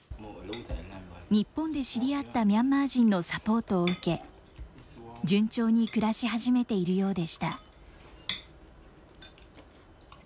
日本で知り合ったミャンマー人のサポートを受け、順調に暮らし始めているようでした。